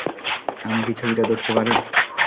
আমি কি ছবিটা ধরতে পারি?